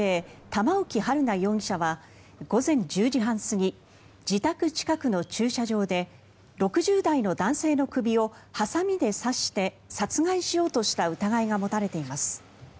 玉置春奈容疑者は午前１０時半過ぎ自宅近くの駐車場で６０代の男性の首をハサミで刺して殺害しようとした疑いが持たれています。